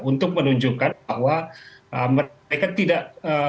untuk menunjukkan bahwa mereka tidak